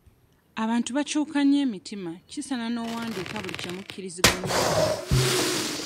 Abantu bakyuka nnyo emitima kisaaana n'owandiika buli kye mukkiriziganyaako.